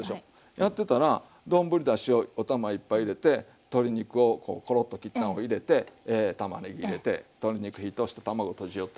やってたら丼だしをお玉１杯入れて鶏肉をこうコロッと切ったんを入れてたまねぎ入れて鶏肉火通して卵とじよった。